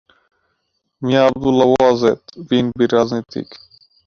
মিয়া আবদুল্লাহ ওয়াজেদ বিএনপির রাজনীতিবিদ।